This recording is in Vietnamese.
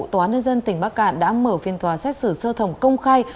tòa nhân dân tỉnh bắc cạn đã mở phiên tòa xét xử sơ thẩm công khai